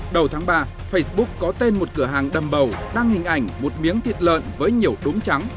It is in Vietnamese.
đầu tháng ba facebook có tên một cửa hàng đâm bầu đăng hình ảnh một miếng thịt lợn với nhiều đúng trắng